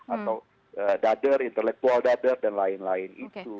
atau dadar intelektual dader dan lain lain itu